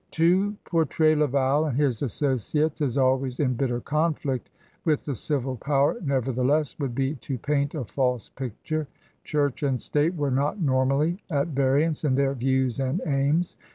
To portray Laval and his associates as always in bitter conflict with the civil power, nevertheless, would be to paint a false picture. Church and state were not normally at variance in their views and aims.